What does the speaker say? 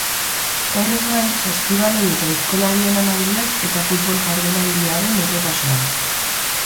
Horrez gain, saskibaloi eta aizkolari emanaldiak eta futbol jardunaldiaren errepasoa.